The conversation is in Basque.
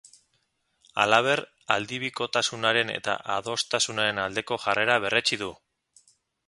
Halaber, aldebikotasunaren eta adostasunaren aldeko jarrera berretsi du.